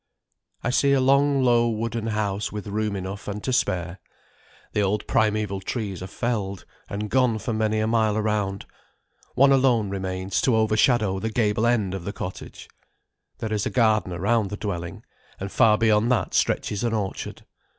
I see a long, low, wooden house, with room enough and to spare. The old primeval trees are felled and gone for many a mile around; one alone remains to overshadow the gable end of the cottage. There is a garden around the dwelling, and far beyond that stretches an orchard.